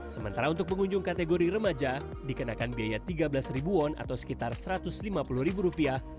sementara untuk pengunjung kategori remaja dikenakan biaya tiga belas won atau sekitar satu ratus lima puluh ribu rupiah